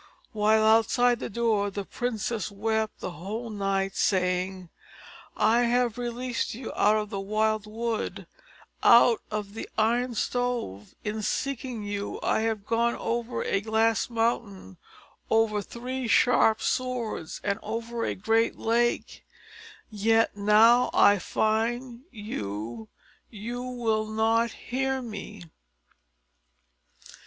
While, outside the door, the princess wept the whole night, saying: "I have released you out of the wild wood out of an Iron Stove; in seeking you, I have gone over a glass mountain, over three sharp swords, and over a great lake; yet, now that I find you, you will not hear me."